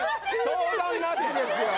相談なしですよ！